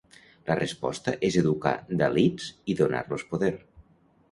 La resposta és educar Dalits i donar-los poder.